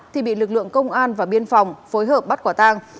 thì bị lực lượng công an và biên phòng phối hợp bắt quả tang